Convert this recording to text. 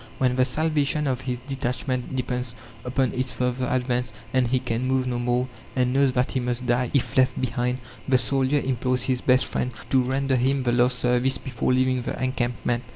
When the salvation of his detachment depends upon its further advance, and he can move no more, and knows that he must die if left behind, the soldier implores his best friend to render him the last service before leaving the encampment.